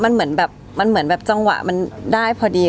ด้วยแหละค่ะแล้วก็มันเหมือนแบบจังหวะได้พอดี